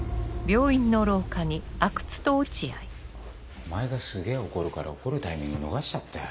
お前がすげぇ怒るから怒るタイミング逃しちゃったよ。